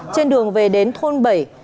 trên đường về đến thôn bảy